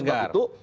nah oleh sebab itu